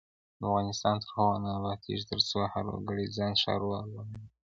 افغانستان تر هغو نه ابادیږي، ترڅو هر وګړی ځان ښاروال ونه ګڼي.